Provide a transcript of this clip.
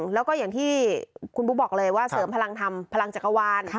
แล้วก็อย่างที่คุณบุ๊คบอกเลยว่าเสริมพลังธรรมพลังจักรวาล